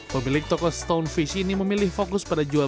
pemilik toko stone fish ini memilih fokus pada jualan